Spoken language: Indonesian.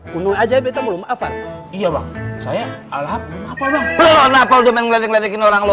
kunung aja betul maafan iya bang saya alhamdulillah apa udah main gede gede orang lo